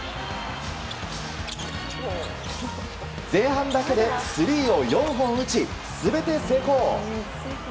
前半だけでスリーを４本打ち全て成功！